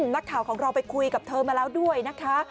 นักข่าวของเราไปคุยกับเธอมาแล้วด้วยนะคะ